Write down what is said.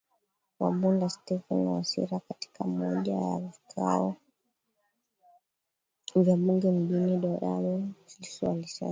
wa Bunda Steven Wasira katika moja ya vikao vya Bunge mjini DodomaLissu alisema